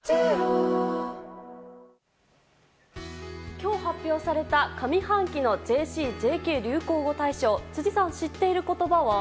今日発表された上半期のＪＣ・ＪＫ流行語大賞辻さん、知っている言葉は？